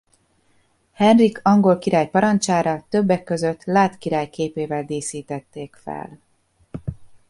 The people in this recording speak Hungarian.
Henrik angol király parancsára többek között Lud király képével díszítették fel.